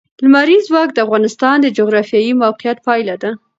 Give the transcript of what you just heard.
لمریز ځواک د افغانستان د جغرافیایي موقیعت پایله ده.